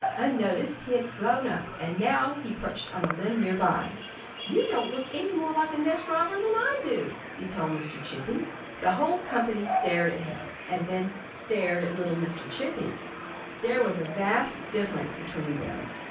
Unnoticed he had flown up. And now he perched on a limb nearby. "You don't look any more like a nest robber than I do," he told Mr. Chippy. The whole company stared at him; and then stared at little Mr. Chippy. There was a vast difference between them.